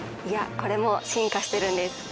いやこれも進化してるんです。